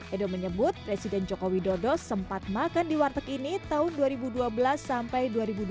edo menyebut presiden joko widodo sempat makan di warteg ini tahun dua ribu dua belas sampai dua ribu dua puluh